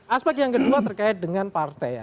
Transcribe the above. aspek yang kedua terkait dengan partai ya